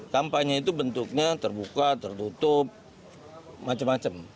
kampanye itu bentuknya terbuka tertutup macem macem